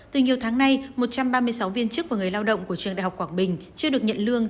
từ nhiều tháng nay một trăm ba mươi sáu viên chức và người lao động của trường đại học quảng bình chưa được nhận lương